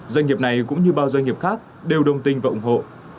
doanh nghiệp này cũng như bao doanh nghiệp khác đều đồng tình và ủng hộ